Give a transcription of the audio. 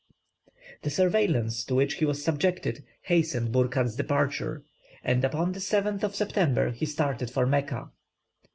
] The surveillance to which he was subjected hastened Burckhardt's departure, and upon the 7th of September he started for Mecca.